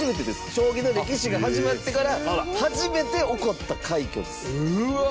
将棋の歴史が始まってから初めて起こった快挙です。